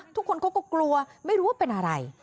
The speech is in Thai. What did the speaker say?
ทุกคนเขาก็กลัวไม่รู้ว่าเป็นอะไร